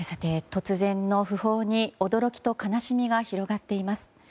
突然の訃報に驚きと悲しみが広がっています。